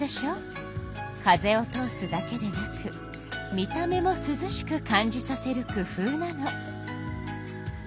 風を通すだけでなく見た目もすずしく感じさせる工夫なの。